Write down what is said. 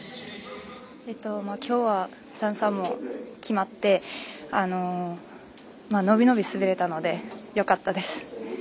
きょうは３、３も決まって伸び伸び滑れたのでよかったです。